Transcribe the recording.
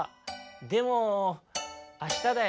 でもあしただよ」。